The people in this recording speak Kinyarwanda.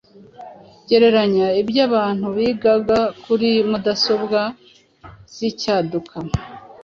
Gereranya ibyo abantu bigaga kuri mudasobwa zicyaduka